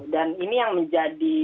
dan ini yang menjadi